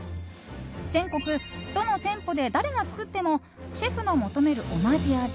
全国どの店舗で誰が作ってもシェフの求める同じ味